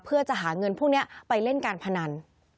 เพื่อจะหาเงินพวกนี้ไปเล่นการพนัน